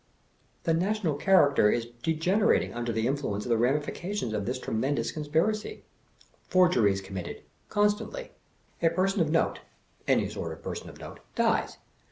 The national character is degenerating under the influ ence of the ramifications of this tremendous conspiracy. 80 306 "the TATTLESNIVEIi BLEATEE." Forgery is committed, constantly. A person of note — any sort of person of note — dies.